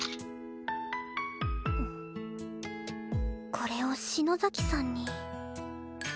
これを篠崎さんに